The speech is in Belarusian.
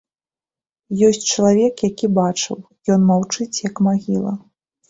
Ёсць чалавек, які бачыў, ён маўчыць як магіла.